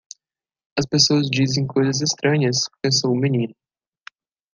As pessoas dizem coisas estranhas, pensou o menino.